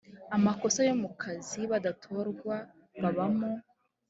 amakosa yo mu kazi badatorwa babamo